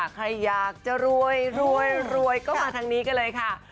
ใครอยากจะรวยรวยก็มาทางนี้กันเลยค่ะ